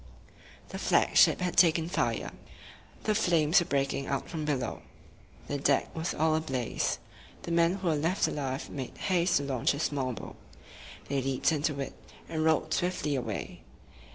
The flag ship had taken fire. The flames were breaking out from below. The deck was all ablaze. The men who were left alive made haste to launch a small boat. They leaped into it, and rowed swiftly away.